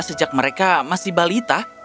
sejak mereka masih balita